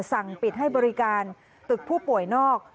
สั่งปิดให้บริการตึกผู้ป่วยนอก